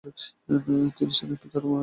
তিনি ছিলেন পিতার নয় পুত্রের মধ্যে পঞ্চম।